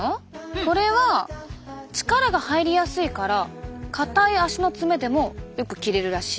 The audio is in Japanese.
これは力が入りやすいから硬い足の爪でもよく切れるらしい。